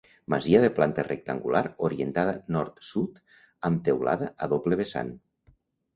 Masia de planta rectangular, orientada nord- sud, amb teulada a doble vessant.